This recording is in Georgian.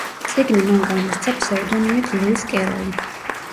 წიგნი მან გამოსცა ფსევდონიმით ლუის კეროლი.